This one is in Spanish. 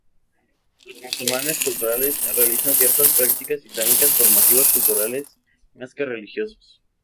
Los musulmanes culturales realizan ciertas prácticas islámicas por motivos culturales más que religiosos.